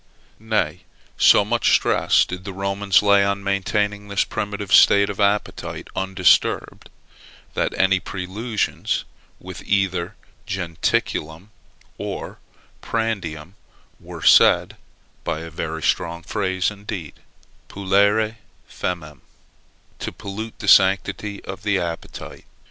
Nay, so much stress did the Romans lay on maintaining this primitive state of the appetite undisturbed, that any prelusions with either jentaculum or prandium were said, by a very strong phrase indeed, polluere famem, to pollute the sanctity of the appetite.